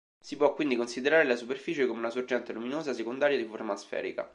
Si può quindi considerare la superficie come una sorgente luminosa secondaria di forma sferica.